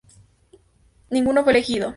Ninguno fue elegido.